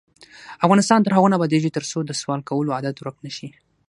افغانستان تر هغو نه ابادیږي، ترڅو د سوال کولو عادت ورک نشي.